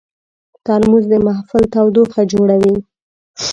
ترموز د محفل تودوخه جوړوي.